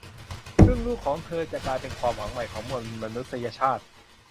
ซึ่งลูกของเธอจะกลายเป็นความหวังใหม่ของมวลมนุษยชาติ